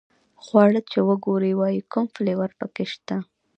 خواړه چې وګوري وایي کوم فلېور په کې شته.